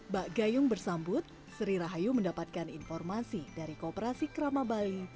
bak gayung bersambut sri rahayu mendapatkan informasi dari kooperasi kerama bali